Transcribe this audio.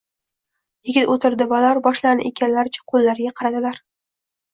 Yigit o’tirdi va ular boshlarini egganlaricha qo’llariga qaradilar.